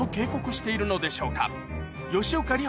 吉岡里帆